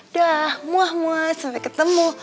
dah muah muah sampai ketemu